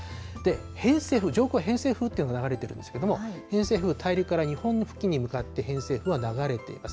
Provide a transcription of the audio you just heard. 偏西風、上空は偏西風っていうのが流れているんですけれども、偏西風が大陸から日本の付近に向かって偏西風は流れています。